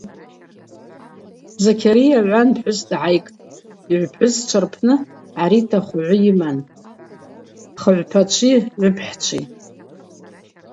Закьарыйа гӏван пхӏвыс дгӏайгтӏ, йыгӏвпхӏвысчва рпны гӏарита хвгӏвы йыман: хыгӏвпачви гӏвыпхӏчви.